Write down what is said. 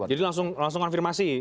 jadi langsung konfirmasi